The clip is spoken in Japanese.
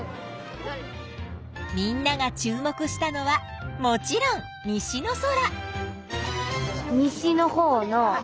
みんなが注目したのはもちろん西の空。